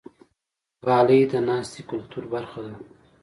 غالۍ د ناستې کلتور برخه ده.